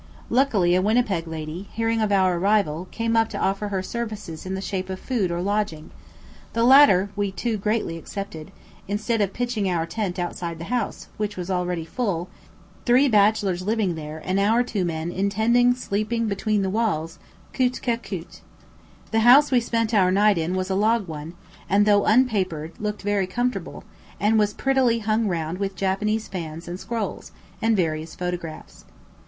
Luckily a Winnipeg lady, hearing of our arrival, came up to offer her services in the shape of food or lodging; the latter we two gladly accepted, instead of pitching our tent outside the house, which was already full, three bachelors living there and our two men intending steeping between the walls, coute que coule. The house we spent our night in was a log one, and though unpapered, looked very comfortable, and was prettily hung round with Japanese fans and scrolls, and various photographs.